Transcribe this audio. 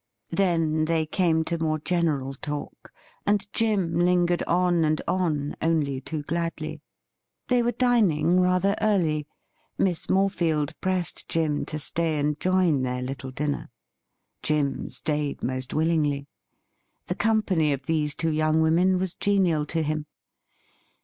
Then they came to more general talk, and Jim lingered on and on only too gladly. They were dining rather early. Miss Morefield pressed Jim to stay and join their little dinner. Jim stayed most willingly. The company of these two young women was genial to him.